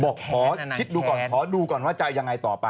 บอกขอคิดดูก่อนขอดูก่อนว่าจะยังไงต่อไป